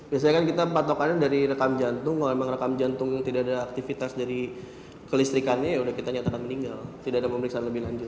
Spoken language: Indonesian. biasanya kan kita patokannya dari rekam jantung kalau memang rekam jantung yang tidak ada aktivitas dari kelistrikannya ya sudah kita nyatakan meninggal tidak ada pemeriksaan lebih lanjut